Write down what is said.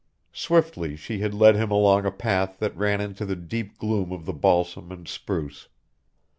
Swiftly she led him along a path that ran into the deep gloom of the balsam and spruce.